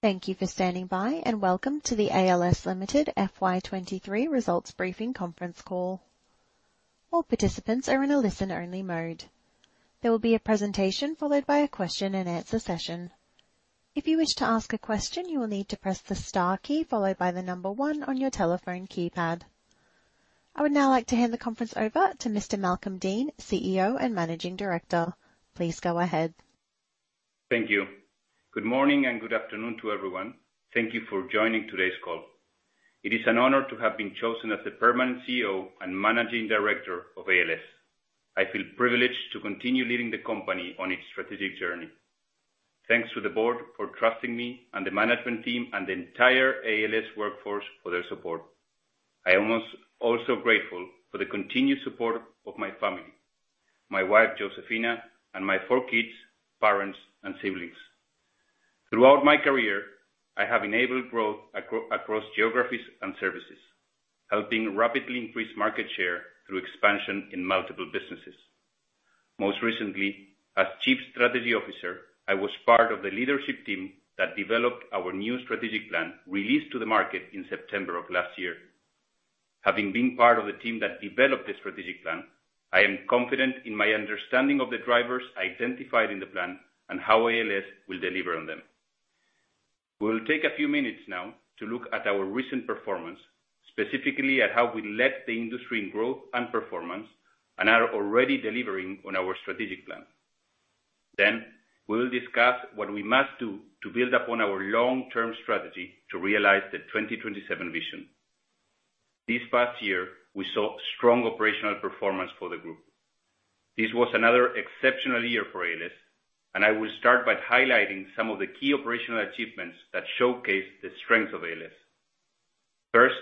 Thank you for standing by, and welcome to the ALS Limited FY 2023 results briefing conference call. All participants are in a listen-only mode. There will be a presentation followed by a question-and-answer session. If you wish to ask a question, you will need to press the star key followed by the number one on your telephone keypad. I would now like to hand the conference over to Mr. Malcolm Deane, CEO and Managing Director. Please go ahead. Thank you. Good morning, and good afternoon to everyone. Thank you for joining today's call. It is an honor to have been chosen as the permanent CEO and Managing Director of ALS. I feel privileged to continue leading the company on its strategic journey. Thanks to the board for trusting me, and the management team and the entire ALS workforce for their support. I am also grateful for the continued support of my family, my wife, Josefina, and my four kids, parents, and siblings. Throughout my career, I have enabled growth across geographies and services, helping rapidly increase market share through expansion in multiple businesses. Most recently, as Chief Strategy Officer, I was part of the leadership team that developed our new strategic plan, released to the market in September of last year. Having been part of the team that developed the strategic plan, I am confident in my understanding of the drivers identified in the plan and how ALS will deliver on them. We'll take a few minutes now to look at our recent performance, specifically at how we led the industry in growth and performance and are already delivering on our strategic plan. We will discuss what we must do to build upon our long-term strategy to realize the 2027 vision. This past year, we saw strong operational performance for the group. This was another exceptional year for ALS, and I will start by highlighting some of the key operational achievements that showcase the strength of ALS. First,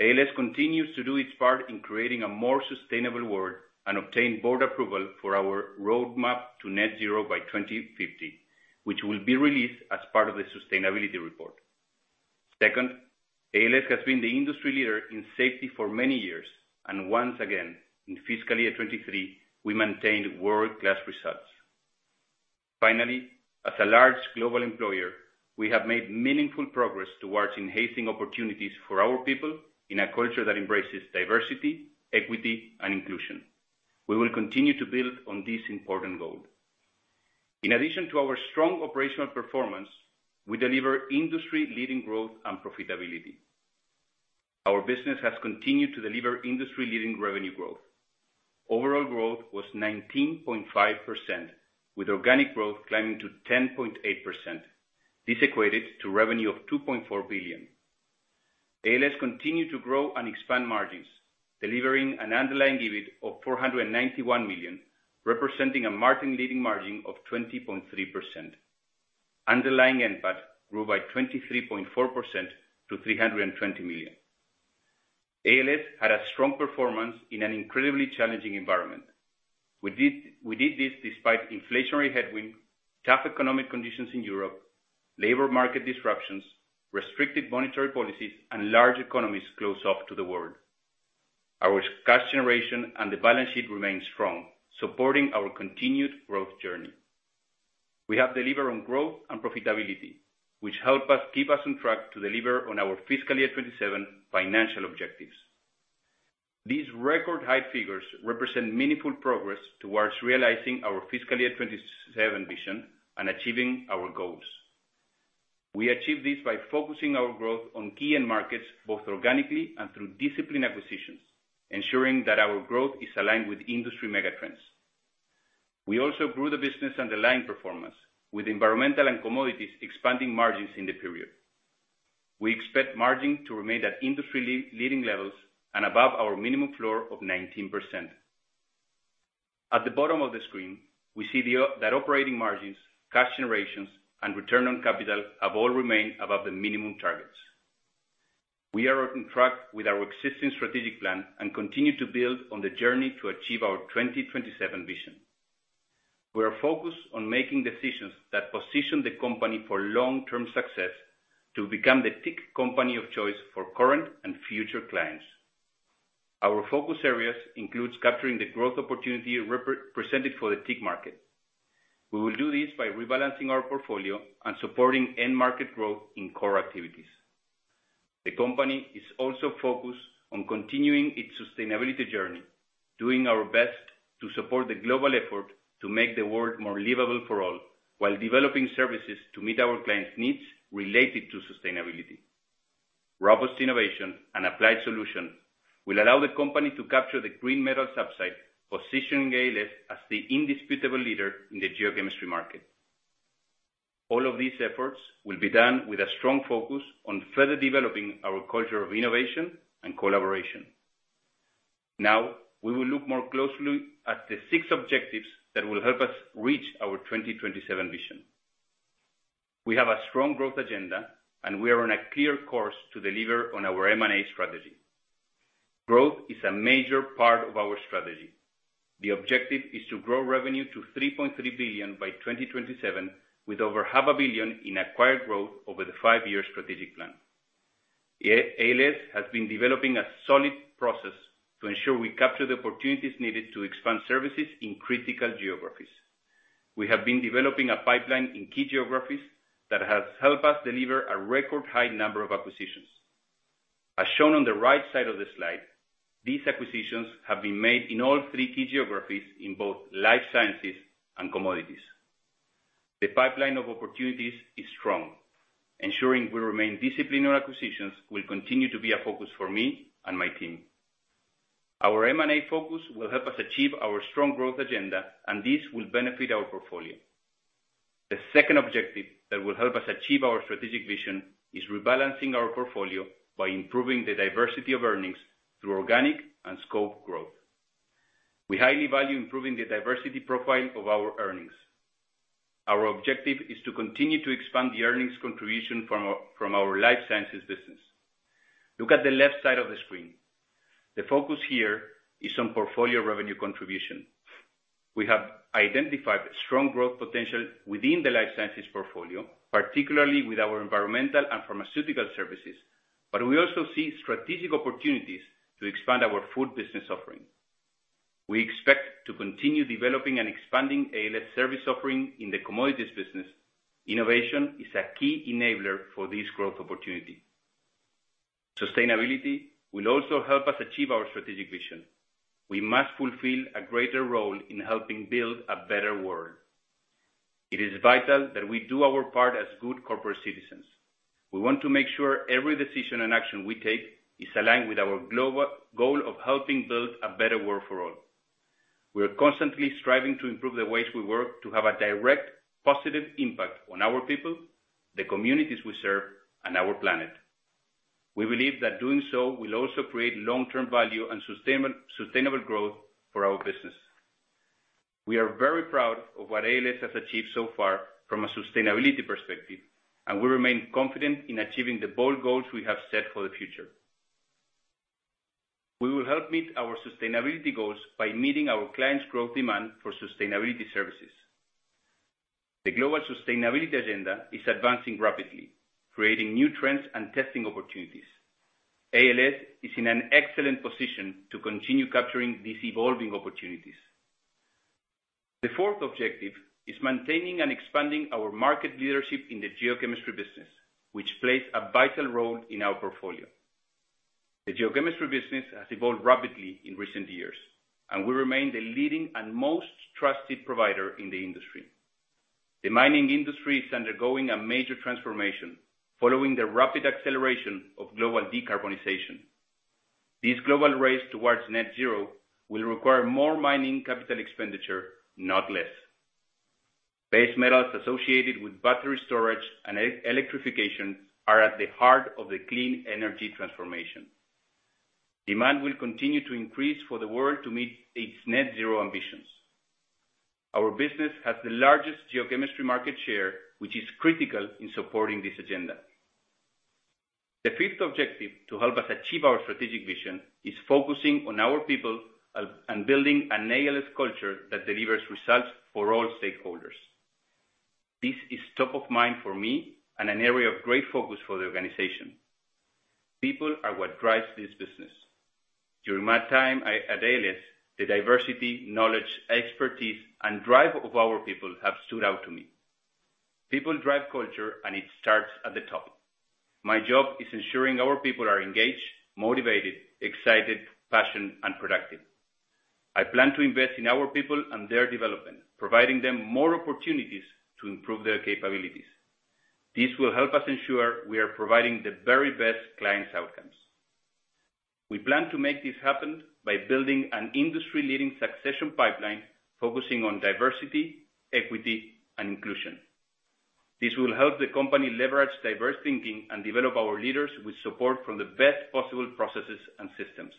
ALS continues to do its part in creating a more sustainable world and obtain board approval for our roadmap to net zero by 2050, which will be released as part of the sustainability report. Second, ALS has been the industry leader in safety for many years, once again, in fiscal year 2023, we maintained world-class results. Finally, as a large global employer, we have made meaningful progress towards enhancing opportunities for our people in a culture that embraces diversity, equity, and inclusion. We will continue to build on this important goal. In addition to our strong operational performance, we deliver industry-leading growth and profitability. Our business has continued to deliver industry-leading revenue growth. Overall growth was 19.5%, with organic growth climbing to 10.8%. This equated to revenue of 2.4 billion. ALS continued to grow and expand margins, delivering an underlying EBIT of 491 million, representing a market-leading margin of 20.3%. Underlying NPAT grew by 23.4% to 320 million. ALS had a strong performance in an incredibly challenging environment. We did this despite inflationary headwind, tough economic conditions in Europe, labor market disruptions, restricted monetary policies, and large economies closed off to the world. Our cash generation and the balance sheet remain strong, supporting our continued growth journey. We have delivered on growth and profitability, which help us keep us on track to deliver on our fiscal year 2027 financial objectives. These record-high figures represent meaningful progress towards realizing our fiscal year 2027 vision and achieving our goals. We achieve this by focusing our growth on key end markets, both organically and through disciplined acquisitions, ensuring that our growth is aligned with industry megatrends. We also grew the business underlying performance, with environmental and Commodities expanding margins in the period. We expect margin to remain at industry leading levels and above our minimum floor of 19%. At the bottom of the screen, we see that operating margins, cash generations, and return on capital have all remained above the minimum targets. We are on track with our existing strategic plan and continue to build on the journey to achieve our 2027 vision. We are focused on making decisions that position the company for long-term success to become the TIC company of choice for current and future clients. Our focus areas includes capturing the growth opportunity presented for the TIC market. We will do this by rebalancing our portfolio and supporting end-market growth in core activities. The company is also focused on continuing its sustainability journey, doing our best to support the global effort to make the world more livable for all, while developing services to meet our clients' needs related to sustainability. Robust innovation and applied solution will allow the company to capture the green metal upside, positioning ALS as the indisputable leader in the geochemistry market. All of these efforts will be done with a strong focus on further developing our culture of innovation and collaboration. Now, we will look more closely at the six objectives that will help us reach our 2027 vision. We have a strong growth agenda, and we are on a clear course to deliver on our M&A strategy. Growth is a major part of our strategy. The objective is to grow revenue to 3.3 billion by 2027, with over half a billion in acquired growth over the five-year strategic plan. ALS has been developing a solid process to ensure we capture the opportunities needed to expand services in critical geographies. We have been developing a pipeline in key geographies that has helped us deliver a record high number of acquisitions. As shown on the right side of the slide, these acquisitions have been made in all three key geographies, in both Life Sciences and Commodities. The pipeline of opportunities is strong. Ensuring we remain disciplined on acquisitions will continue to be a focus for me and my team. Our M&A focus will help us achieve our strong growth agenda, and this will benefit our portfolio. The second objective that will help us achieve our strategic vision is rebalancing our portfolio by improving the diversity of earnings through organic and scope growth. We highly value improving the diversity profile of our earnings. Our objective is to continue to expand the earnings contribution from our Life Sciences business. Look at the left side of the screen. The focus here is on portfolio revenue contribution. We have identified strong growth potential within the Life Sciences portfolio, particularly with our environmental and pharmaceutical services, but we also see strategic opportunities to expand our food business offering. We expect to continue developing and expanding ALS service offering in the Commodities business. Innovation is a key enabler for this growth opportunity. Sustainability will also help us achieve our strategic vision. We must fulfill a greater role in helping build a better world. It is vital that we do our part as good corporate citizens. We want to make sure every decision and action we take is aligned with our global goal of helping build a better world for all. We are constantly striving to improve the ways we work, to have a direct, positive impact on our people, the communities we serve, and our planet. We believe that doing so will also create long-term value and sustainable growth for our business. We are very proud of what ALS has achieved so far from a sustainability perspective, and we remain confident in achieving the bold goals we have set for the future. We will help meet our sustainability goals by meeting our clients' growth demand for sustainability services. The global sustainability agenda is advancing rapidly, creating new trends and testing opportunities. ALS is in an excellent position to continue capturing these evolving opportunities. The fourth objective is maintaining and expanding our market leadership in the geochemistry business, which plays a vital role in our portfolio. The geochemistry business has evolved rapidly in recent years, and we remain the leading and most trusted provider in the industry. The mining industry is undergoing a major transformation following the rapid acceleration of global decarbonization. This global race towards net zero will require more mining capital expenditure, not less. Base metals associated with battery storage and electrification are at the heart of the clean energy transformation. Demand will continue to increase for the world to meet its net zero ambitions. Our business has the largest geochemistry market share, which is critical in supporting this agenda. The fifth objective to help us achieve our strategic vision is focusing on our people, and building an ALS culture that delivers results for all stakeholders. This is top of mind for me and an area of great focus for the organization. People are what drives this business. During my time at ALS, the diversity, knowledge, expertise, and drive of our people have stood out to me. People drive culture, and it starts at the top. My job is ensuring our people are engaged, motivated, excited, passionate, and productive. I plan to invest in our people and their development, providing them more opportunities to improve their capabilities. This will help us ensure we are providing the very best clients outcomes. We plan to make this happen by building an industry-leading succession pipeline, focusing on diversity, equity, and inclusion. This will help the company leverage diverse thinking and develop our leaders with support from the best possible processes and systems.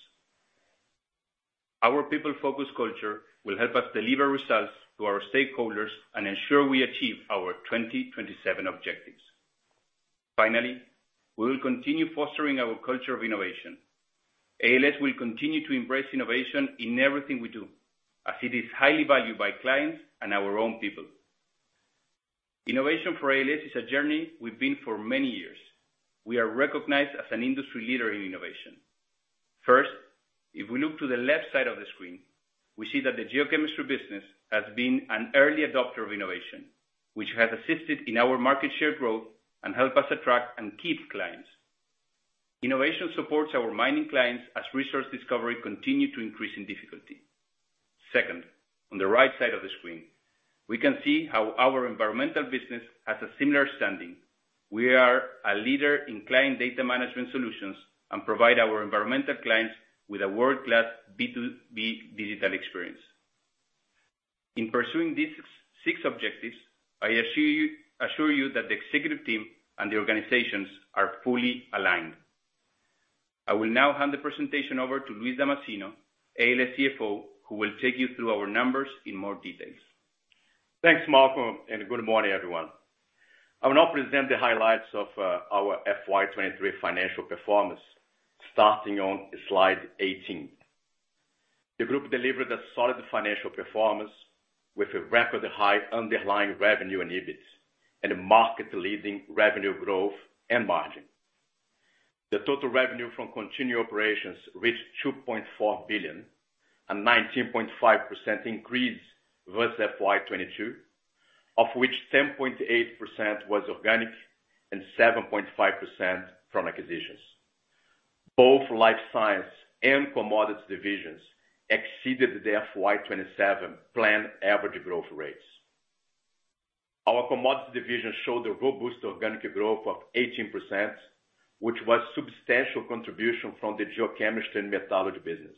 Our people-focused culture will help us deliver results to our stakeholders and ensure we achieve our 2027 objectives. Finally, we will continue fostering our culture of innovation. ALS will continue to embrace innovation in everything we do, as it is highly valued by clients and our own people. Innovation for ALS is a journey we've been for many years. We are recognized as an industry leader in innovation. First, if we look to the left side of the screen, we see that the Geochemistry business has been an early adopter of innovation, which has assisted in our market share growth and helped us attract and keep clients. Innovation supports our mining clients as resource discovery continue to increase in difficulty. Second, on the right side of the screen, we can see how our environmental business has a similar standing. We are a leader in client data management solutions and provide our environmental clients with a world-class B2B digital experience. In pursuing these six objectives, I assure you that the executive team and the organizations are fully aligned. I will now hand the presentation over to Luis Damasceno, ALS CFO, who will take you through our numbers in more details. Thanks, Malcolm, and good morning, everyone. I will now present the highlights of our FY 2023 financial performance, starting on slide 18. The group delivered a solid financial performance with a record high underlying revenue and EBIT, and a market leading revenue growth and margin. The total revenue from continued operations reached 2.4 billion, a 19.5% increase versus FY 2022, of which 10.8% was organic and 7.5% from acquisitions. Both Life Sciences and Commodities divisions exceeded their FY 2027 planned average growth rates. Our Commodities division showed a robust organic growth of 18%, which was substantial contribution from the geochemistry and metallurgy business.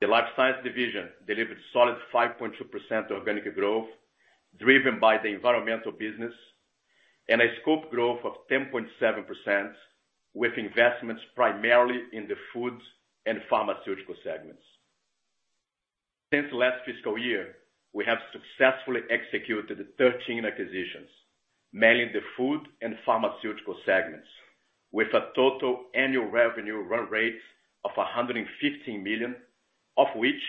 The Life Sciences division delivered solid 5.2% organic growth, driven by the environmental business, and a scope growth of 10.7%, with investments primarily in the foods and pharmaceutical segments. Since last fiscal year, we have successfully executed 13 acquisitions, mainly in the food and pharmaceutical segments, with a total annual revenue run rate of 115 million, of which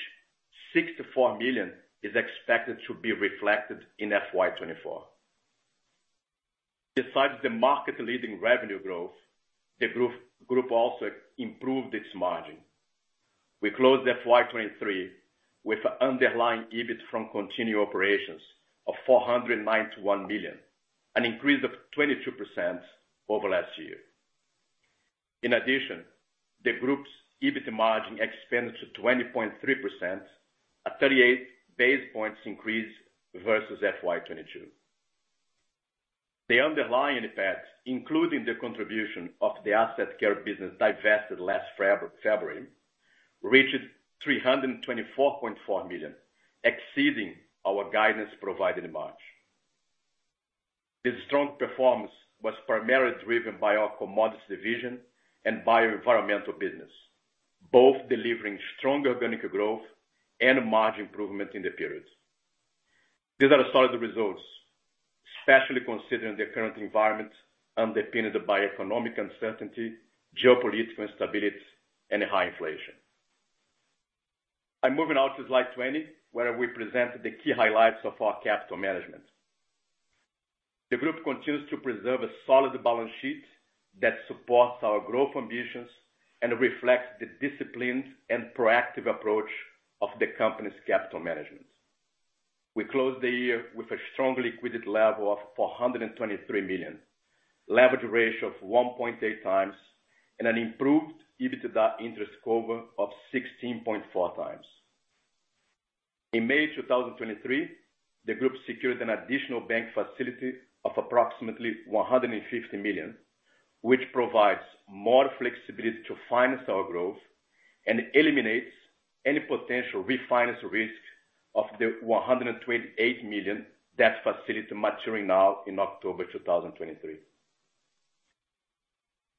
64 million is expected to be reflected in FY 2024. Besides the market leading revenue growth, the group also improved its margin. We closed FY 2023 with an underlying EBIT from continued operations of 491 million, an increase of 22% over last year. The group's EBIT margin expanded to 20.3%, a 38 basis points increase versus FY 2022. The underlying effects, including the contribution of the Asset Care business divested last February, reached 324.4 million, exceeding our guidance provided in March. This strong performance was primarily driven by our Commodities division and by our environmental business, both delivering strong organic growth and margin improvement in the period. These are solid results, especially considering the current environment, underpinned by economic uncertainty, geopolitical instability and high inflation. I'm moving on to slide 20, where we present the key highlights of our capital management. The group continues to preserve a solid balance sheet that supports our growth ambitions and reflects the disciplines and proactive approach of the company's capital management. We closed the year with a strong liquidity level of 423 million, leverage ratio of 1.8x, and an improved EBITDA interest cover of 16.4x. In May 2023, the group secured an additional bank facility of approximately 150 million, which provides more flexibility to finance our growth and eliminates any potential refinance risk of the 128 million debt facility maturing now in October 2023.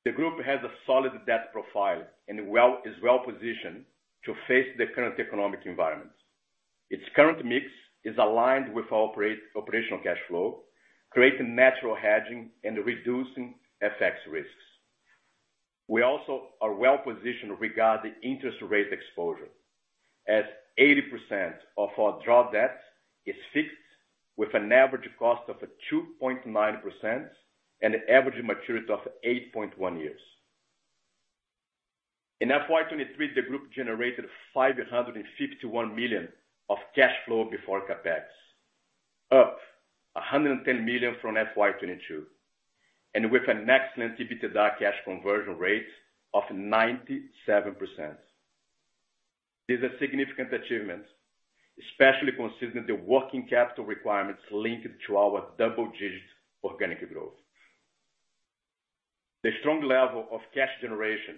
The group has a solid debt profile and is well positioned to face the current economic environment. Its current mix is aligned with our operational cash flow, creating natural hedging and reducing FX risks. We also are well positioned regarding interest rate exposure, as 80% of our draw debts is fixed with an average cost of 2.9% and an average maturity of 8.1 years. In FY 2023, the group generated 551 million of cash flow before CapEx, up 110 million from FY 2022, with an excellent EBITDA cash conversion rate of 97%. These are significant achievements, especially considering the working capital requirements linked to our double-digit organic growth. The strong level of cash generation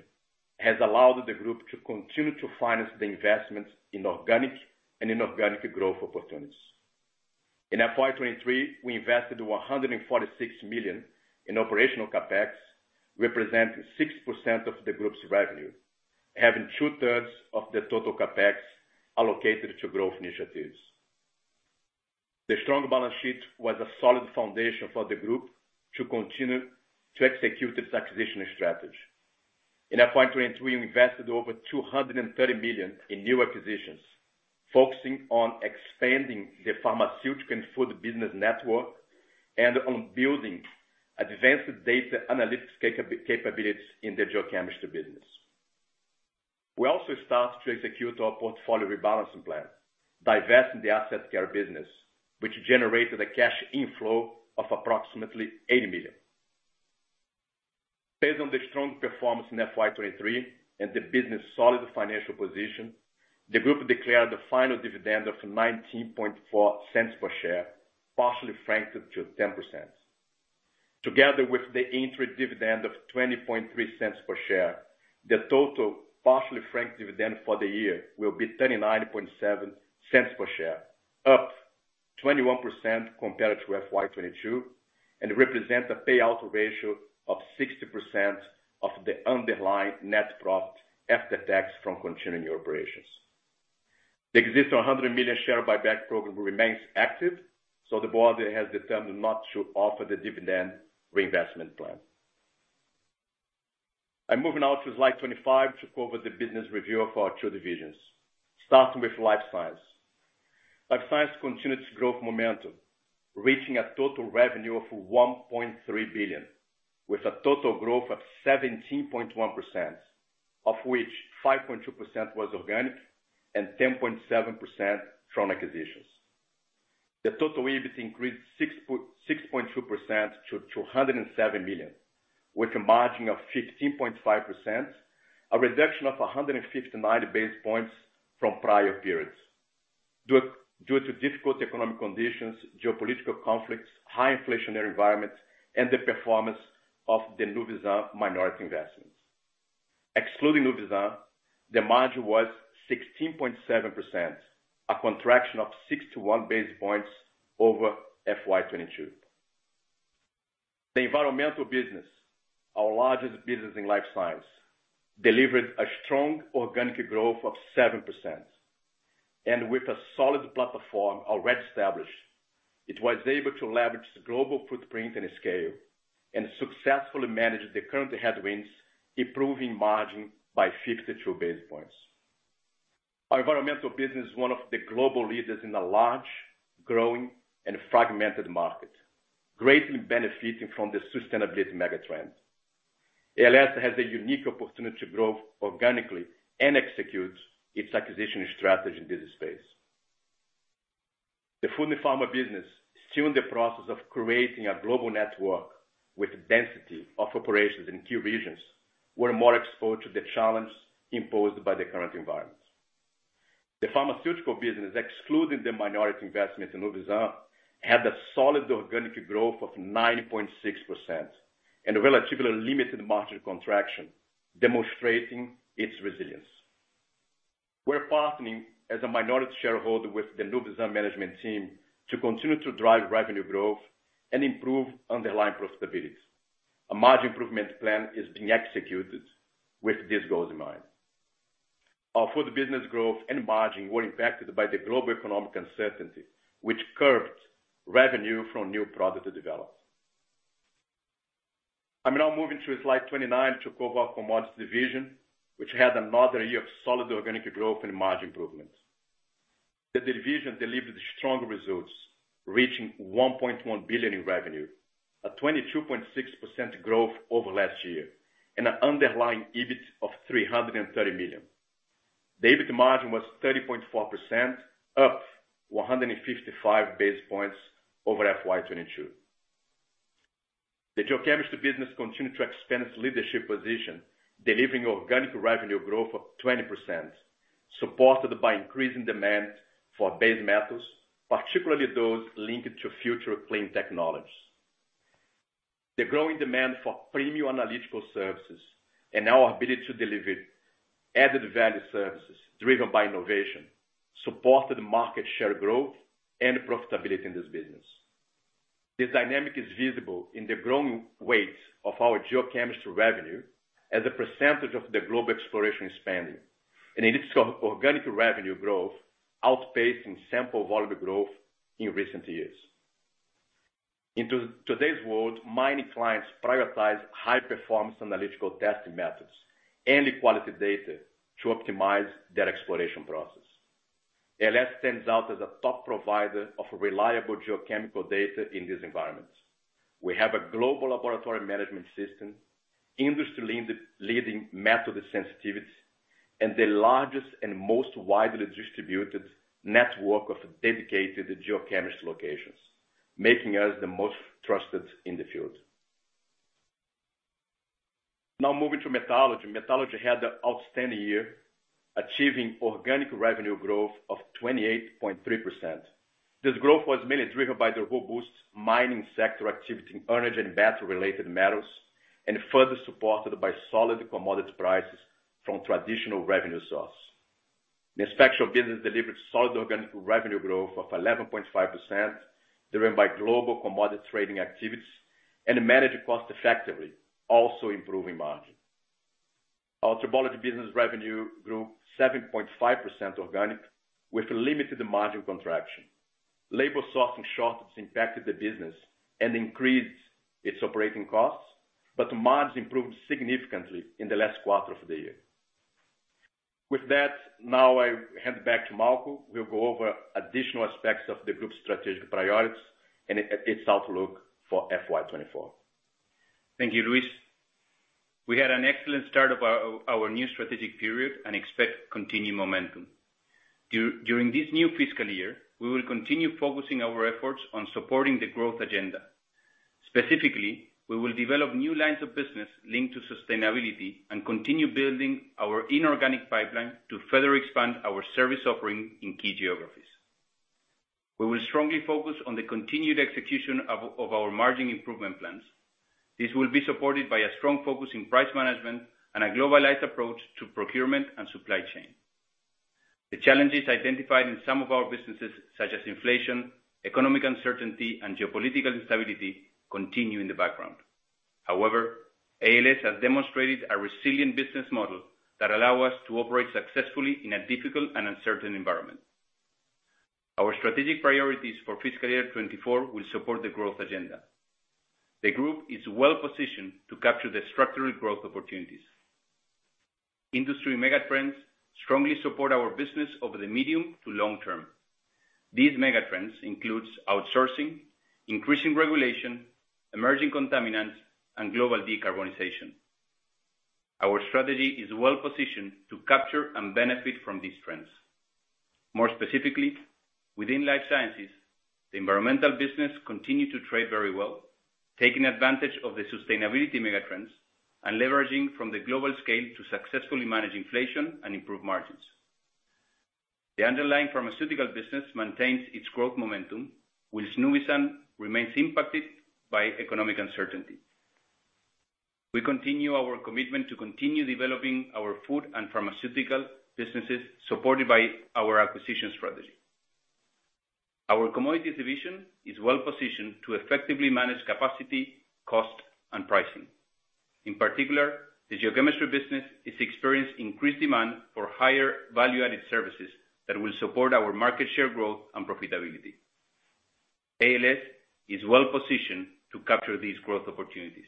has allowed the group to continue to finance the investments in organic and inorganic growth opportunities. In FY 2023, we invested 146 million in operational CapEx, representing 6% of the group's revenue, having two-thirds of the total CapEx allocated to growth initiatives. The strong balance sheet was a solid foundation for the group to continue to execute its acquisition strategy. In FY 2023, we invested over AUD 230 million in new acquisitions, focusing on expanding the pharmaceutical and food business network, and on building advanced data analytics capabilities in the Geochemistry business. We also started to execute our portfolio rebalancing plan, divesting the Asset Care business, which generated a cash inflow of approximately 80 million. Based on the strong performance in FY 2023 and the business' solid financial position, the group declared a final dividend of 0.194 per share, partially franked to 10%. Together with the interim dividend of 0.203 per share, the total partially franked dividend for the year will be 0.397 per share, up 21% compared to FY 2022, and represent a payout ratio of 60% of the underlying net profit after tax from continuing operations. The existing 100 million share buy-back program remains active. The board has determined not to offer the dividend reinvestment plan. I'm moving now to slide 25 to cover the business review of our two divisions, starting with Life Sciences. Life Sciences continued its growth momentum, reaching a total revenue of 1.3 billion, with a total growth of 17.1%, of which 5.2% was organic and 10.7% from acquisitions. The total EBIT increased 6.2% to 207 million, with a margin of 15.5%, a reduction of 159 basis points from prior periods, due to difficult economic conditions, geopolitical conflicts, high inflationary environments, and the performance of the Nuvisan minority investments. Excluding Nuvisan, the margin was 16.7%, a contraction of 61 basis points over FY 2022. The environmental business, our largest business in Life Sciences, delivered a strong organic growth of 7%. With a solid platform already established, it was able to leverage global footprint and scale, and successfully manage the current headwinds, improving margin by 52 basis points. Our environmental business is one of the global leaders in a large, growing, and fragmented market, greatly benefiting from the sustainability megatrend. ALS has a unique opportunity to grow organically and execute its acquisition strategy in this space. The food and pharma business is still in the process of creating a global network with density of operations in key regions. We're more exposed to the challenge imposed by the current environment. The pharmaceutical business, excluding the minority investment in Nuvisan, had a solid organic growth of 9.6% and a relatively limited margin contraction, demonstrating its resilience. We're partnering as a minority shareholder with the Nuvisan management team to continue to drive revenue growth and improve underlying profitability. A margin improvement plan is being executed with these goals in mind. Our food business growth and margin were impacted by the global economic uncertainty, which curbed revenue from new product development. I'm now moving to slide 29 to cover our Commodities division, which had another year of solid organic growth and margin improvement. The division delivered strong results, reaching 1.1 billion in revenue, a 22.6% growth over last year, and an underlying EBIT of 330 million. The EBIT margin was 30.4%, up 155 basis points over FY 2022. The geochemistry business continued to expand its leadership position, delivering organic revenue growth of 20%, supported by increasing demand for base metals, particularly those linked to future clean technologies. The growing demand for premium analytical services and our ability to deliver added value services driven by innovation, supported market share growth and profitability in this business. This dynamic is visible in the growing weight of our geochemistry revenue as a % of the global exploration spending, and it is organic revenue growth outpacing sample volume growth in recent years. In today's world, mining clients prioritize high performance analytical testing methods and quality data to optimize their exploration process. ALS stands out as a top provider of reliable geochemical data in this environment. We have a global laboratory management system, industry leading method sensitivity, and the largest and most widely distributed network of dedicated geochemistry locations, making us the most trusted in the field. Moving to metallurgy. Metallurgy had an outstanding year, achieving organic revenue growth of 28.3%. This growth was mainly driven by the robust mining sector activity in energy and battery-related metals, and further supported by solid commodity prices from traditional revenue source. The Spectral business delivered solid organic revenue growth of 11.5%, driven by global commodity trading activities and managed cost effectively, also improving margin. Our tribology business revenue grew 7.5% organic, with limited margin contraction. Labor sourcing shortages impacted the business and increased its operating costs, but margins improved significantly in the last quarter of the year. With that, now I hand back to Marco, who will go over additional aspects of the group's strategic priorities and its outlook for FY 2024. Thank you, Luis. We had an excellent start of our new strategic period and expect continued momentum. During this new fiscal year, we will continue focusing our efforts on supporting the growth agenda. Specifically, we will develop new lines of business linked to sustainability and continue building our inorganic pipeline to further expand our service offering in key geographies. We will strongly focus on the continued execution of our margin improvement plans. This will be supported by a strong focus in price management and a globalized approach to procurement and supply chain. The challenges identified in some of our businesses, such as inflation, economic uncertainty, and geopolitical instability, continue in the background. However, ALS has demonstrated a resilient business model that allow us to operate successfully in a difficult and uncertain environment. Our strategic priorities for fiscal year 2024 will support the growth agenda. The group is well positioned to capture the structural growth opportunities. Industry megatrends strongly support our business over the medium to long term. These megatrends includes outsourcing, increasing regulation, emerging contaminants, and global decarbonization. Our strategy is well positioned to capture and benefit from these trends. More specifically, within Life Sciences, the environmental business continue to trade very well, taking advantage of the sustainability megatrends and leveraging from the global scale to successfully manage inflation and improve margins. The underlying pharmaceutical business maintains its growth momentum, whilst Nuvisan remains impacted by economic uncertainty. We continue our commitment to continue developing our food and pharmaceutical businesses, supported by our acquisition strategy. Our Commodities division is well positioned to effectively manage capacity, cost, and pricing. In particular, the geochemistry business is experiencing increased demand for higher value-added services that will support our market share growth and profitability. ALS is well positioned to capture these growth opportunities.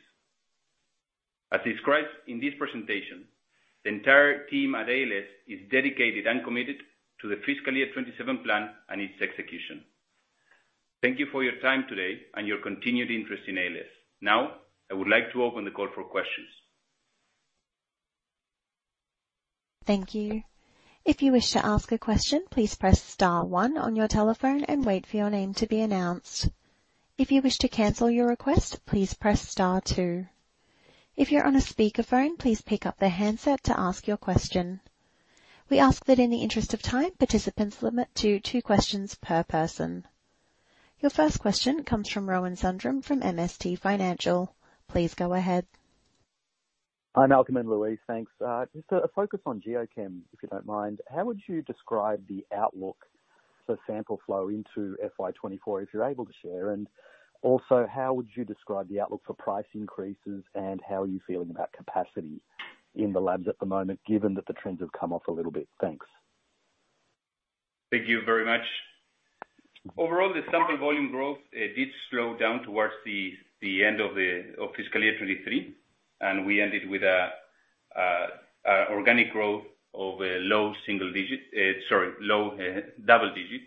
As described in this presentation, the entire team at ALS is dedicated and committed to the FY 2027 plan and its execution. Thank you for your time today and your continued interest in ALS. I would like to open the call for questions. Thank you. If you wish to ask a question, please press star one on your telephone and wait for your name to be announced. If you wish to cancel your request, please press star two. If you're on a speakerphone, please pick up the handset to ask your question. We ask that in the interest of time, participants limit to 2 questions per person. Your first question comes from Rohan Sundram from MST Financial. Please go ahead. Hi, Malcolm and Luis. Thanks. Just a focus on Geochem, if you don't mind. How would you describe the outlook for sample flow into FY 2024, if you're able to share? Also, how would you describe the outlook for price increases, and how are you feeling about capacity in the labs at the moment, given that the trends have come off a little bit? Thanks. Thank you very much. Overall, the sample volume growth did slow down towards the end of fiscal year 2023. We ended with organic growth of a low single digit, sorry, low double digit.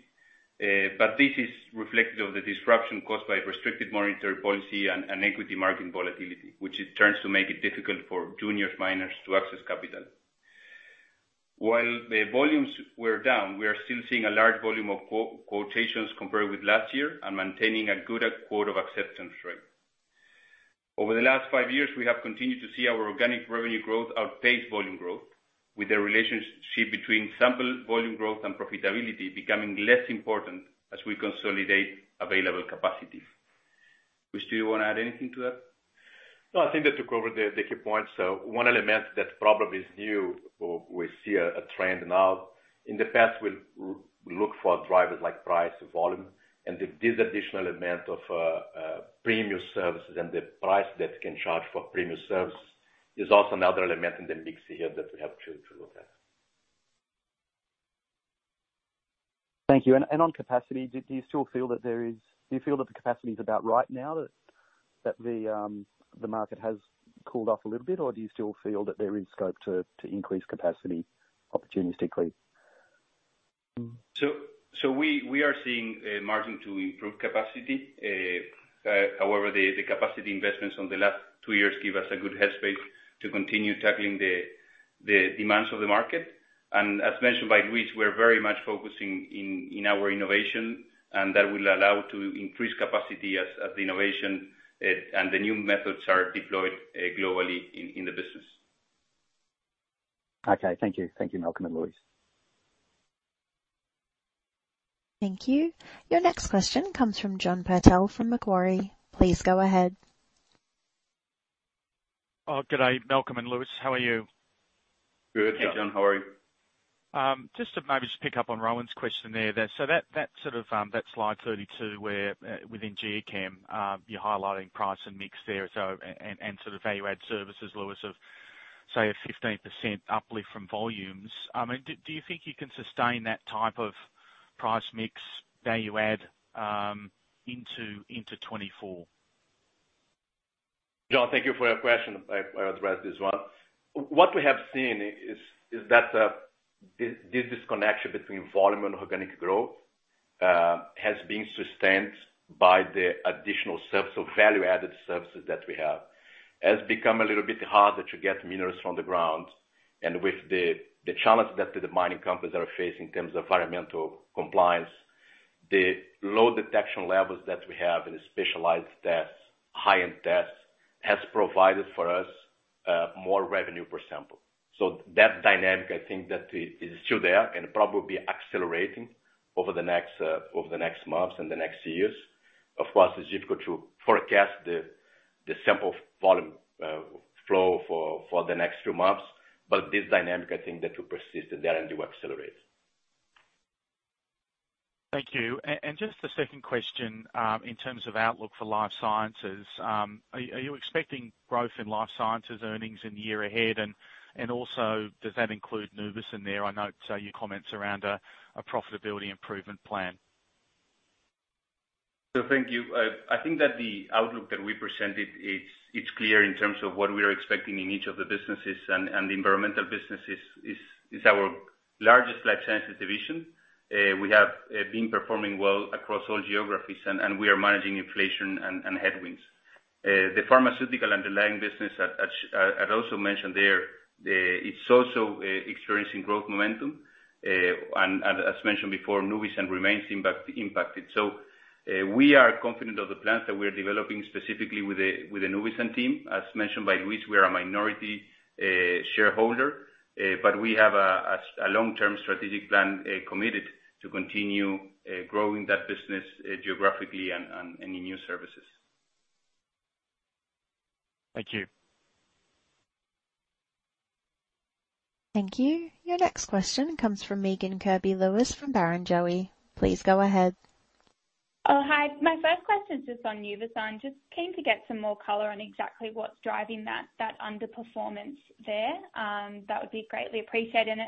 This is reflective of the disruption caused by restricted monetary policy and equity market volatility, which it turns to make it difficult for junior miners to access capital. While the volumes were down, we are still seeing a large volume of quotations compared with last year and maintaining a good quote of acceptance rate. Over the last five years, we have continued to see our organic revenue growth outpace volume growth, with the relationship between sample volume growth and profitability becoming less important as we consolidate available capacity. Luis, do you want to add anything to that? I think that took over the key points. One element that probably is new or we see a trend now, in the past, we'll look for drivers like price and volume, and this additional amount of premium services and the price that we can charge for premium services is also another element in the mix here that we have to look at. Thank you. On capacity, do you feel that the capacity is about right now, that the market has cooled off a little bit? Do you still feel that there is scope to increase capacity opportunistically? We are seeing a margin to improve capacity. However, the capacity investments on the last two years give us a good headspace to continue tackling the demands of the market. As mentioned by Luis, we're very much focusing in our innovation, and that will allow to increase capacity as innovation, and the new methods are deployed globally in the business. Okay. Thank you. Thank you, Malcolm and Luis. Thank you. Your next question comes from John Purtell from Macquarie. Please go ahead. Oh, good day, Malcolm and Luis. How are you? Good. Hey, John. How are you? Just to maybe just pick up on Rohan's question there. That, that sort of, that slide 32, where, within Geochem, you're highlighting price and mix there, and sort of value-add services, Luis, of, say, a 15% uplift from volumes. I mean, do you think you can sustain that type of price mix value add, into FY 2024? John, thank you for your question. I'll address this one. What we have seen is that this disconnection between volume and organic growth has been sustained by the additional sets of value-added services that we have. It has become a little bit harder to get minerals from the ground, and with the challenge that the mining companies are facing in terms of environmental compliance, the low detection levels that we have in the specialized tests, high-end tests, has provided for us more revenue per sample. That dynamic, I think that is still there and probably be accelerating over the next over the next months and the next years. Of course, it's difficult to forecast the sample volume flow for the next few months, but this dynamic, I think that will persist and then do accelerate. Thank you. Just the second question, in terms of outlook for Life Sciences, are you expecting growth in Life Sciences earnings in the year ahead? Also, does that include Nuvisan there? I note your comments around a profitability improvement plan. Thank you. I think that the outlook that we presented, it's clear in terms of what we are expecting in each of the businesses, and the environmental business is our largest Life Sciences division. We have been performing well across all geographies, and we are managing inflation and headwinds. The pharmaceutical underlying business, as I'd also mentioned there, it's also experiencing growth momentum. As mentioned before, Nuvisan remains impacted, so we are confident of the plans that we are developing specifically with the Nuvisan team. As mentioned by Luis, we are a minority shareholder, but we have a long-term strategic plan committed to continue growing that business geographically and any new services. Thank you. Thank you. Your next question comes from Megan Kirby-Lewis from Barrenjoey. Please go ahead. Hi. My first question is just on Nuvisan. Just keen to get some more color on exactly what's driving that underperformance there. That would be greatly appreciated.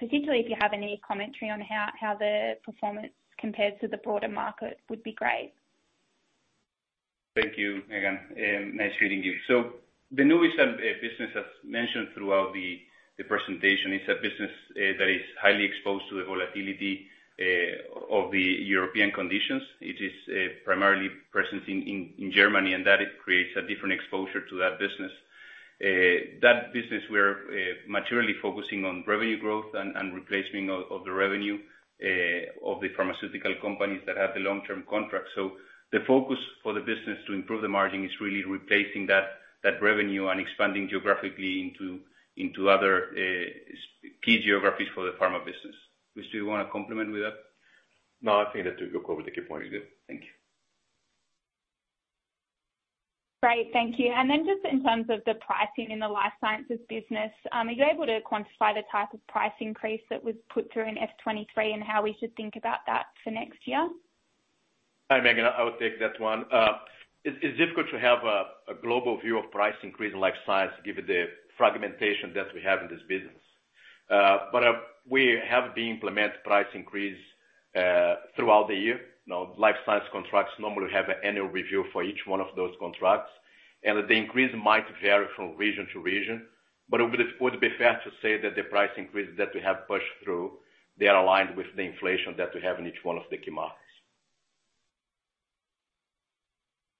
Particularly if you have any commentary on how the performance compares to the broader market, would be great. Thank you, Megan. Nice hearing you. The Nuvisan business, as mentioned throughout the presentation, is a business that is highly exposed to the volatility of the European conditions. It is primarily present in Germany, and that it creates a different exposure to that business. That business we're materially focusing on revenue growth and replacement of the revenue of the pharmaceutical companies that have the long-term contracts. The focus for the business to improve the margin is really replacing that revenue and expanding geographically into other key geographies for the pharma business. Luis, do you wanna complement with that? No, I think that you covered the key point there. Thank you. Great, thank you. Just in terms of the pricing in the Life Sciences business, are you able to quantify the type of price increase that was put through in FY 2023, and how we should think about that for next year? Hi, Megan. it's difficult to have a global view of price increase in Life Sciences given the fragmentation that we have in this business. we have been implement price increase throughout the year. Life Sciences contracts normally have an annual review for each one of those contracts, and the increase might vary from region to region, but it would be fair to say that the price increase that we have pushed through, they are aligned with the inflation that we have in each one of the key markets.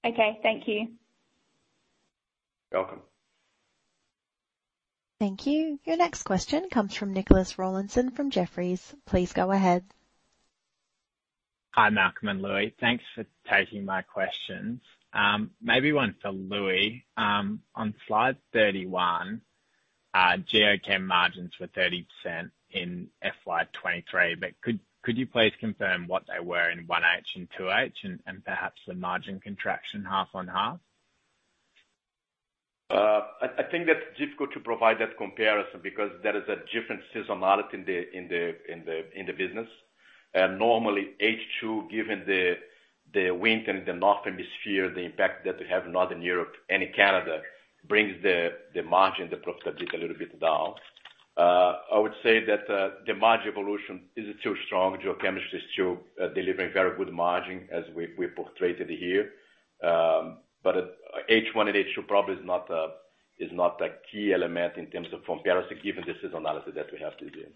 Okay, thank you. Welcome. Thank you. Your next question comes from Nicholas Rollinson from Jefferies. Please go ahead. Hi, Malcolm and Luis. Thanks for taking my questions. Maybe one for Luis. On slide 31, Geochem margins were 30% in FY 2023, but could you please confirm what they were in 1H and 2H, and perhaps the margin contraction half-on-half? I think that's difficult to provide that comparison, because there is a different seasonality in the business. Normally, H2, given the winter in the Northern Hemisphere, the impact that we have in Northern Europe and in Canada, brings the margin, the profit a little bit down. I would say that the margin evolution is still strong. Geochemistry is still delivering very good margin, as we portrayed it here. But H1 and H2 probably is not a key element in terms of comparison, given the seasonality that we have this year.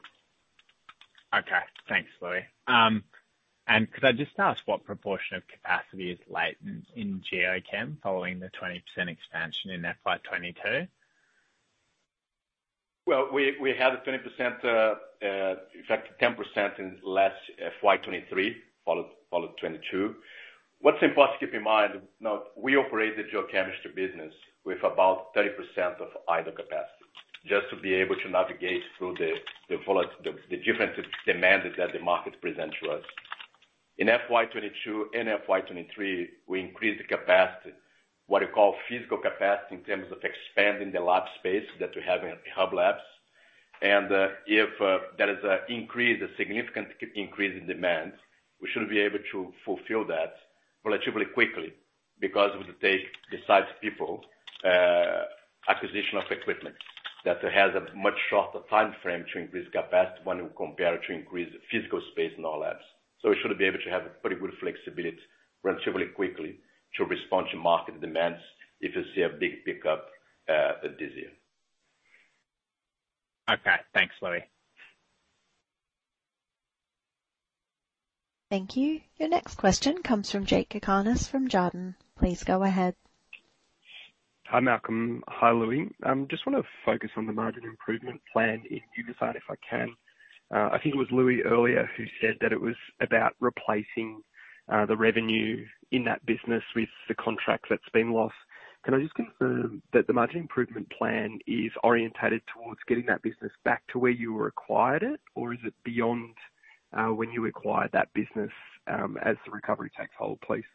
Okay, thanks, Luis. Could I just ask what proportion of capacity is latent in Geochem following the 20% expansion in FY 2022? Well, we had a 20%, in fact, 10% in last FY 2023, followed FY 2022. What's important to keep in mind, you know, we operate the geochemistry business with about 30% of idle capacity, just to be able to navigate through the different demands that the market present to us. In FY 2022 and FY 2023, we increased the capacity, what you call physical capacity, in terms of expanding the lab space that we have in hub labs. If there is an increase, a significant increase in demand, we should be able to fulfill that relatively quickly because it would take besides people, acquisition of equipment, that has a much shorter timeframe to increase capacity when you compare to increase physical space in our labs. We should be able to have pretty good flexibility relatively quickly to respond to market demands if you see a big pickup this year. Okay, thanks, Luis. Thank you. Your next question comes from Jake Kakanis from Jarden. Please go ahead. Hi, Malcolm. Hi, Luis. I just wanna focus on the margin improvement plan in Nuvisan, if I can. I think it was Luis earlier who said that it was about replacing the revenue in that business with the contract that's been lost. Can I just confirm that the margin improvement plan is orientated towards getting that business back to where you acquired it, or is it beyond when you acquired that business as the recovery takes hold, please?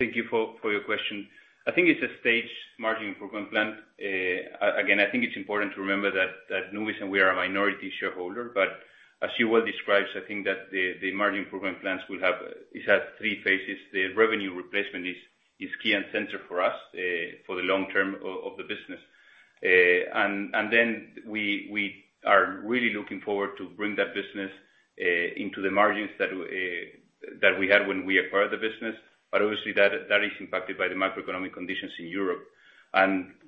Thank you for your question. I think it's a staged margin improvement plan. Again, I think it's important to remember that Nuvisan, we are a minority shareholder, but as you well described, I think that the margin improvement plans will have. It has three phases. The revenue replacement is key and center for us for the long term of the business, and then we are really looking forward to bring that business into the margins that we had when we acquired the business. Obviously that is impacted by the macroeconomic conditions in Europe.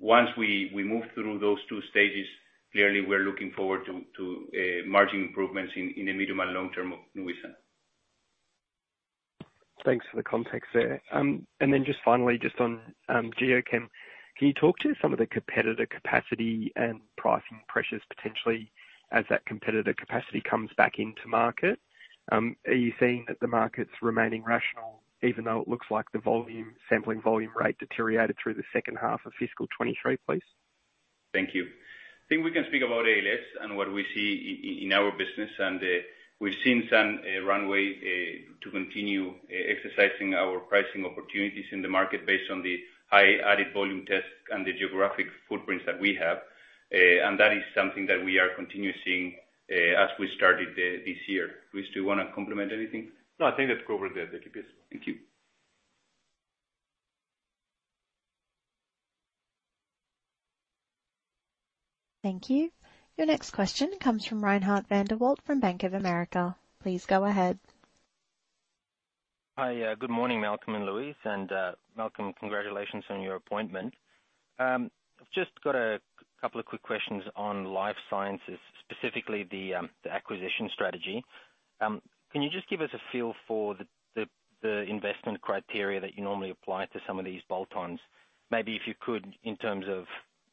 Once we move through those two stages, clearly we're looking forward to margin improvements in the medium and long term of Nuvisan. Thanks for the context there. Just finally, just on Geochem, can you talk to some of the competitor capacity and pricing pressures, potentially as that competitor capacity comes back into market? Are you seeing that the market's remaining rational, even though it looks like the volume, sampling volume rate deteriorated through the second half of fiscal 2023, please? Thank you. I think we can speak about ALS and what we see in our business, we've seen some runway to continue exercising our pricing opportunities in the market based on the high added volume test and the geographic footprints that we have. That is something that we are continuing seeing as we started this year. Luis, do you wanna complement anything? No, I think that's covered there, thank you, Luis. Thank you. Thank you. Your next question comes from Reinhardt van der Walt from Bank of America. Please go ahead. Hi, good morning, Malcolm and Luis. Malcolm, congratulations on your appointment. I've just got a couple of quick questions on Life Sciences, specifically the acquisition strategy. Can you just give us a feel for the investment criteria that you normally apply to some of these bolt-ons? Maybe if you could, in terms of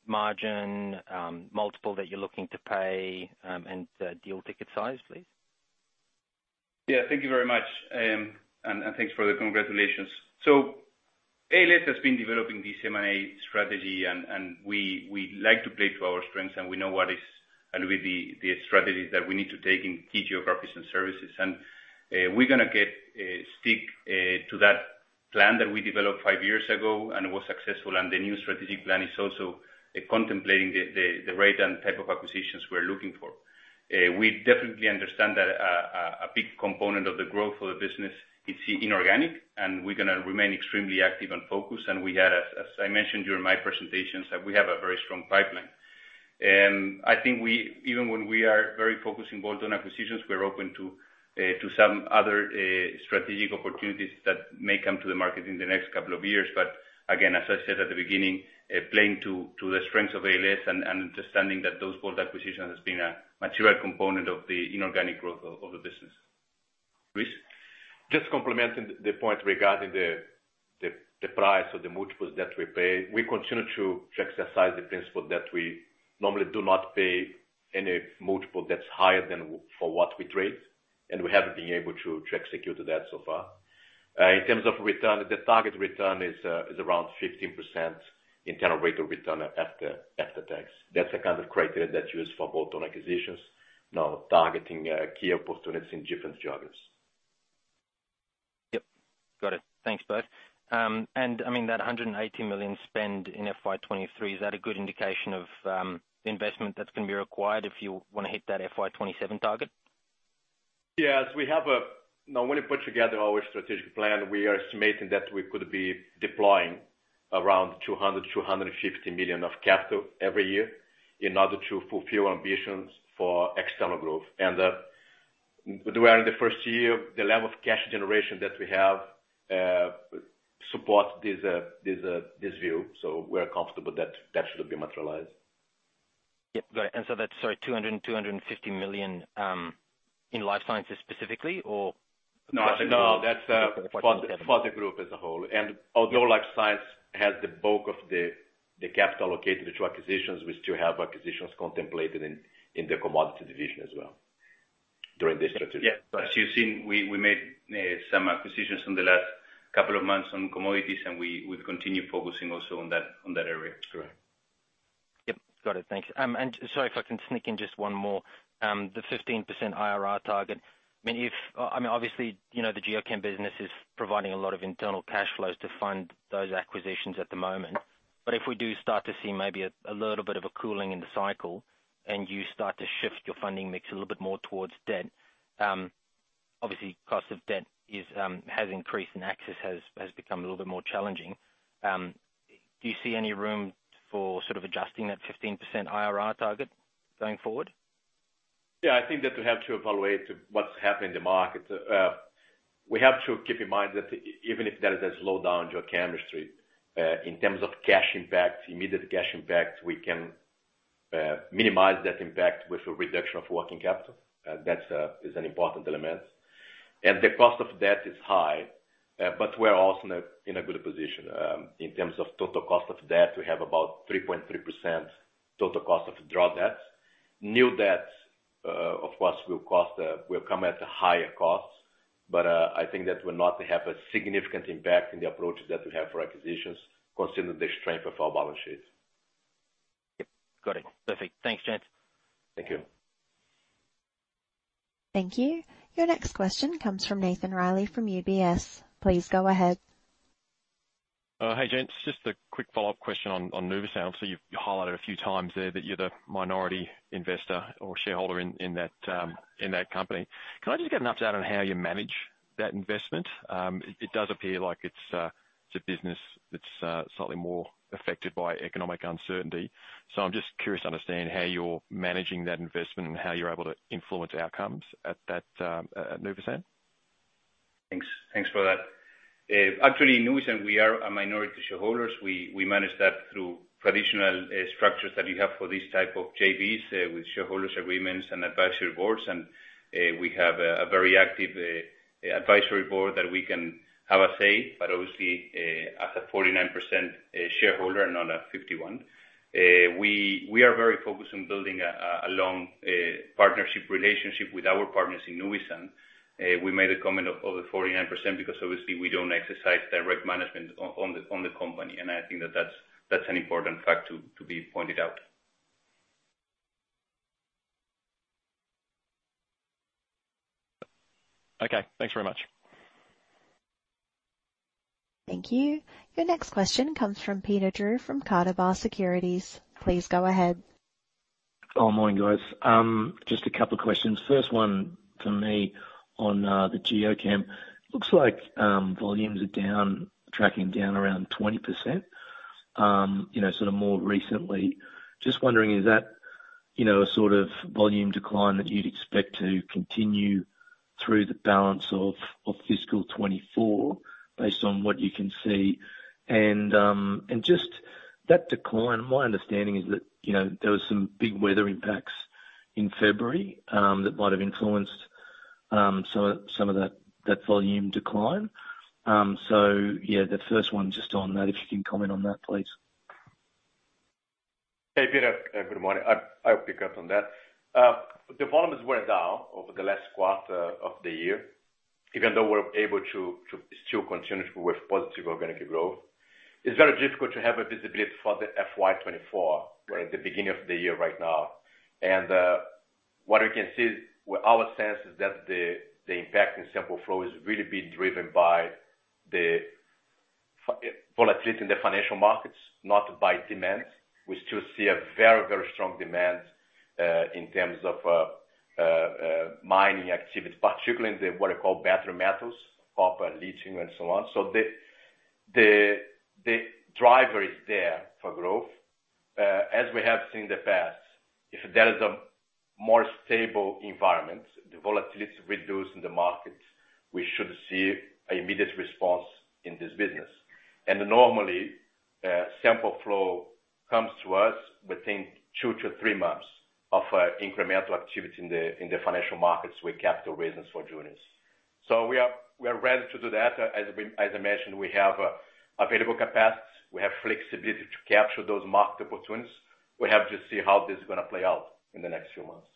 margin, multiple that you're looking to pay, and deal ticket size, please. Yeah, thank you very much, and thanks for the congratulations. ALS has been developing this M&A strategy, and we like to play to our strengths, and we know what is going to be the strategy that we need to take in key geographies and services. We're gonna stick to that plan that we developed five years ago and was successful, and the new strategic plan is also contemplating the right and type of acquisitions we're looking for. We definitely understand that a big component of the growth of the business is inorganic, and we're gonna remain extremely active and focused. We had, as I mentioned during my presentations, that we have a very strong pipeline. I think even when we are very focused in bolt-on acquisitions, we're open to some other strategic opportunities that may come to the market in the next couple of years. Again, as I said at the beginning, playing to the strengths of ALS and understanding that those bolt acquisitions has been a material component of the inorganic growth of the business. Luis Damasceno? Just complementing the point regarding the price or the multiples that we pay. We continue to exercise the principle that we normally do not pay any multiple that's higher than for what we trade, and we have been able to execute that so far. In terms of return, the target return is around 15% internal rate of return after tax. That's the kind of criteria that's used for bolt-on acquisitions, now targeting key opportunities in different geographies. Yep. Got it. Thanks, both. I mean, that 180 million spend in FY 2023, is that a good indication of the investment that's gonna be required if you wanna hit that FY 2027 target? Yes, we have. When we put together our strategic plan, we are estimating that we could be deploying around 200 million-250 million of capital every year in order to fulfill our ambitions for external growth. We are in the first year, the level of cash generation that we have support this view, so we're comfortable that that should be materialized. Yep, got it. That's, sorry, 250 million, in Life Sciences specifically. No, no, that's for the group as a whole. Although Life Sciences has the bulk of the capital allocated to acquisitions, we still have acquisitions contemplated in the Commodities division as well, during this strategy. Yeah, as you've seen, we made some acquisitions in the last couple of months on Commodities, and we would continue focusing also on that area. Correct. Yep. Got it. Thanks. Sorry, if I can sneak in just one more. The 15% IRR target, I mean, obviously, you know, the Geochem business is providing a lot of internal cash flows to fund those acquisitions at the moment. But if we do start to see maybe a little bit of a cooling in the cycle, and you start to shift your funding mix a little bit more towards debt, obviously, cost of debt has increased and access has become a little bit more challenging. Do you see any room for sort of adjusting that 15% IRR target going forward? Yeah, I think that we have to evaluate what's happening in the market. We have to keep in mind that even if there is a slowdown Geochemistry, in terms of cash impacts, immediate cash impacts, we can minimize that impact with a reduction of working capital. That is an important element. The cost of debt is high, but we're also in a good position. In terms of total cost of debt, we have about 3.3% total cost of draw debt. New debt, of course, will cost, will come at a higher cost, but I think that will not have a significant impact in the approaches that we have for acquisitions, considering the strength of our balance sheets. Yep. Got it. Perfect. Thanks, gents. Thank you. Thank you. Your next question comes from Nathan Reilly, from UBS. Please go ahead. Hey, gents. Just a quick follow-up question on Nuvisan. You've highlighted a few times there that you're the minority investor or shareholder in that company. Can I just get an update on how you manage that investment? It does appear like it's a business that's slightly more affected by economic uncertainty. I'm just curious to understand how you're managing that investment and how you're able to influence outcomes at that, at Nuvisan? Thanks. Thanks for that. Actually, Nuvisan, we are a minority shareholders. We manage that through traditional structures that you have for this type of JVs, with shareholders agreements and advisory boards. We have a very active advisory board that we can have a say, but obviously, as a 49%, shareholder and not a 51. We are very focused on building a long partnership relationship with our partners in Nuvisan. We made a comment of over 49% because obviously we don't exercise direct management on the company, I think that's an important fact to be pointed out. Okay, thanks very much. Thank you. Your next question comes from Peter Drew from Canaccord Genuity Securities. Please go ahead. Morning, guys. Just a couple of questions. First one for me on the Geochem. Looks like volumes are down, tracking down around 20%, you know, sort of more recently. Just wondering, is that, you know, a sort of volume decline that you'd expect to continue through the balance of FY 2024, based on what you can see? Just that decline, my understanding is that, you know, there was some big weather impacts in February that might have influenced some of that volume decline. Yeah, the first one, just on that, if you can comment on that, please. Hey, Peter, good morning. I'll pick up on that. The volumes were down over the last quarter of the year, even though we're able to still continue with positive organic growth. It's very difficult to have a visibility for the FY 2024. Right. We're at the beginning of the year right now. What we can see, well, our sense is that the impact in sample flow is really being driven by the volatility in the financial markets, not by demand. We still see a very, very strong demand in terms of mining activity, particularly in the what are called battery metals, copper, lithium, and so on. The driver is there for growth. As we have seen in the past, if there is a more stable environment, the volatility reduced in the markets, we should see an immediate response in this business. Normally, sample flow comes to us within two to three months of incremental activity in the financial markets with capital reasons for juniors. We are ready to do that. As I mentioned, we have available capacity, we have flexibility to capture those market opportunities. We have to see how this is gonna play out in the next few months.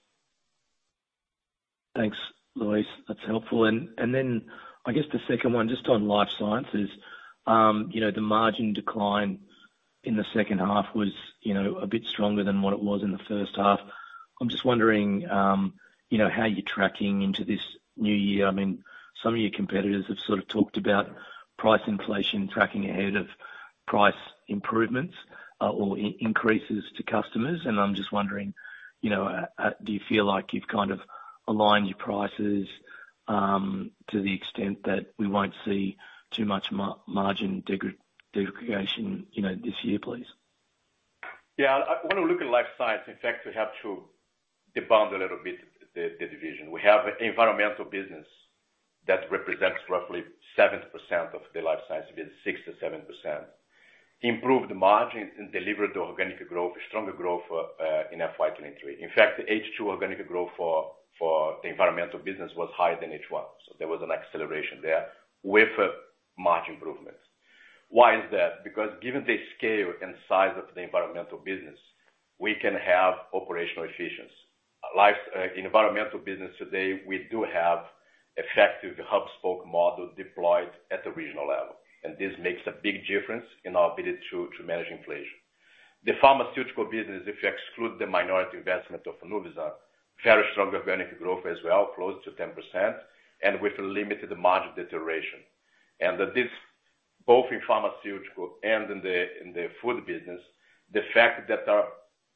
Thanks, Luis. That's helpful. Then I guess the second one, just on Life Sciences. You know, the margin decline in the second half was, you know, a bit stronger than what it was in the first half. I'm just wondering, you know, how you're tracking into this new year. I mean, some of your competitors have sort of talked about price inflation, tracking ahead of price improvements, or increases to customers, and I'm just wondering, you know, do you feel like you've kind of aligned your prices to the extent that we won't see too much margin degradation, you know, this year, please? When we look at Life Sciences, in fact, we have to de-bundle a little bit the division. We have environmental business that represents roughly 7% of the Life Sciences business, 6%-7%. Improved margins and delivered organic growth, stronger growth in FY 2023. In fact, H2 organic growth for the environmental business was higher than H1, so there was an acceleration there with margin improvements. Why is that? Because given the scale and size of the environmental business, we can have operational efficiency. Environmental business today, we do have effective hub-and-spoke model deployed at the regional level, and this makes a big difference in our ability to manage inflation. The pharmaceutical business, if you exclude the minority investment of Nuvisan, very strong organic growth as well, close to 10%, and with limited margin deterioration. That is both in pharmaceutical and in the food business, the fact that our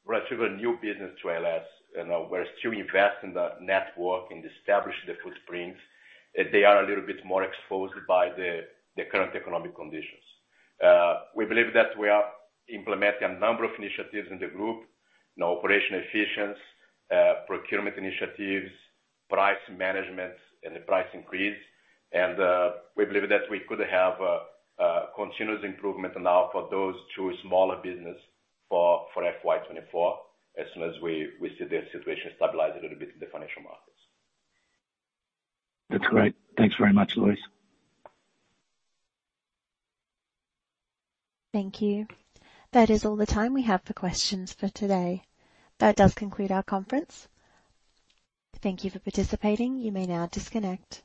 relatively new business to ALS, we're still investing in the network and establish the footprints, they are a little bit more exposed by the current economic conditions. We believe that we are implementing a number of initiatives in the group, you know, operational efficiency, procurement initiatives, price management and the price increase. We believe that we could have a continuous improvement now for those two smaller business for FY 2024, as soon as we see the situation stabilize a little bit in the financial markets. That's great. Thanks very much, Luis. Thank you. That is all the time we have for questions for today. That does conclude our conference. Thank you for participating. You may now disconnect.